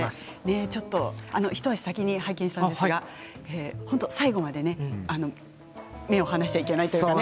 一足先に拝見しましたが最後まで目を離してはいけないというかね。